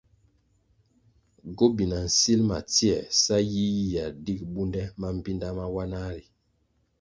Gobina nsilʼ ma tsioē sa yiyia dig bundè mambpinda mawanah ri.